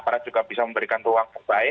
para juga bisa memberikan ruang yang baik